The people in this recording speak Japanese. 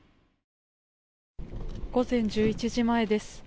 午前１１時前です。